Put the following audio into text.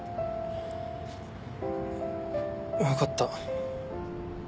分かった。